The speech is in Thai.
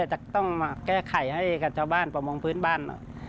จะต้องมาแก้ไขให้กับชาวบ้านประมงพื้นบ้าน